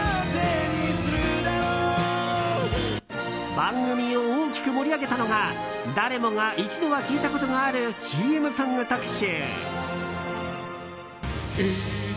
番組を大きく盛り上げたのが誰もが一度は聴いたことがあるＣＭソング特集。